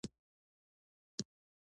لمسی د نیا زړه تسلوي.